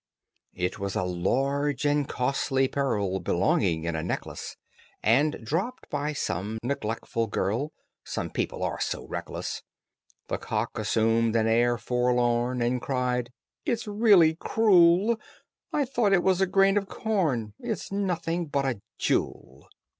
It was a large and costly pearl, Belonging in a necklace, And dropped by some neglectful girl: Some people are so reckless! The cock assumed an air forlorn, And cried, "It's really cruel. I thought it was a grain of corn: It's nothing but a jewel."